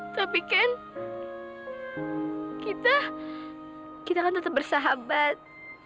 tapi kan kita kan tetap bersahabat